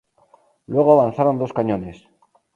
Luego avanzaron dos cañones.